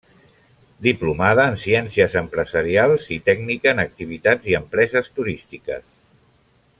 Diplomada en ciències empresarials i tècnica en activitats i empreses turístiques.